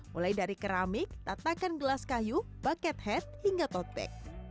mulai dari keramik tatakan gelas kayu bucket hat hingga tote